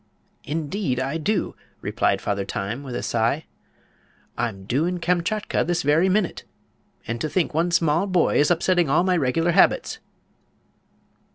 "Indeed I do," replied Father Time, with a sigh. "I'm due in Kamchatka this very minute. And to think one small boy is upsetting all my regular habits!"